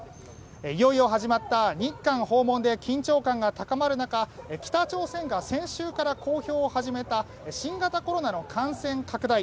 いよいよ始まった日韓訪問で緊張感が高まる中北朝鮮が先週から公表を始めた新型コロナの感染拡大。